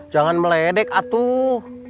jangan meledek atuh